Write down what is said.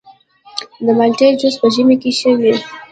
د مالټې جوس په ژمي کې ښه وي.